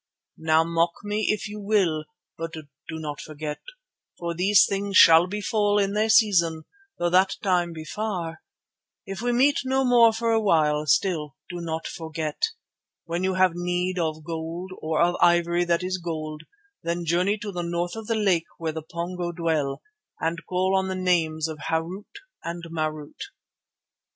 Now mock me if you will, but do not forget, for these things shall befall in their season, though that time be far. If we meet no more for a while, still do not forget. When you have need of gold or of the ivory that is gold, then journey to the north of the lake where the Pongo dwell, and call on the names of Harût and Marût."